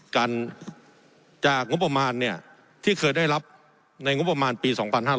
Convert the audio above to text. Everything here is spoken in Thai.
จากงบประมาณเนี่ยที่เคยได้รับในงบประมาณปี๒๕๕๙